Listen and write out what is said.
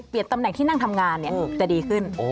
เปลี่ยนตำแหน่งที่นั่งทำงานเนี่ยจะดีขึ้น